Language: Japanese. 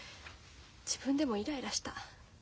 自分でもイライラした。